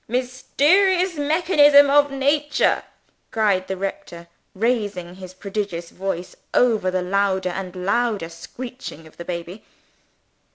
Mysterious mechanism of Nature!" cried the rector, raising his prodigious voice over the louder and louder screeching of the baby.